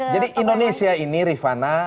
jadi indonesia ini rifana